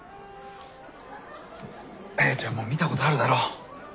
亜弥ちゃんも見たことあるだろ。